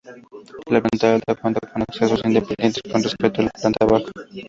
La planta alta cuenta con accesos independientes con respecto a la planta baja.